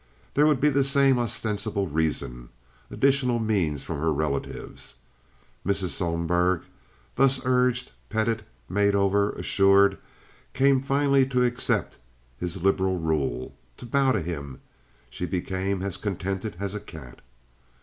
There would be the same ostensible reason—additional means from her relatives. Mrs. Sohlberg, thus urged, petted, made over, assured, came finally to accept his liberal rule—to bow to him; she became as contented as a cat.